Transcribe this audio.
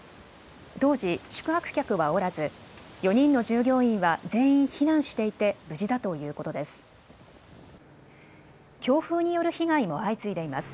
当時、宿泊客はおらず４人の従業員は全員避難していて無事だということです。